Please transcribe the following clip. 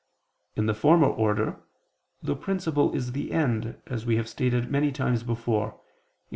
In the former order, the principle is the end, as we have stated many times before (Q.